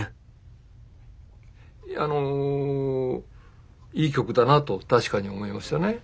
あのいい曲だなと確かに思いましたね。